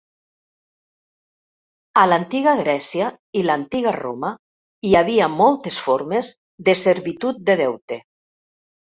A l'antiga Grècia i l'antiga Roma hi havia moltes formes de servitud de deute.